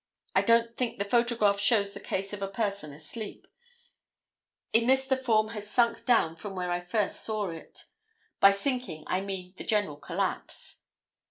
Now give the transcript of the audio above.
I don't think the photograph shows the case of a person asleep; in this the form has sunk down from where I first saw it; by sinking I mean the general collapse."